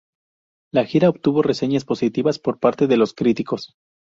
La gira obtuvo reseñas positivas por parte de los críticos.